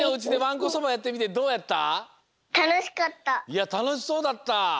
いやたのしそうだった。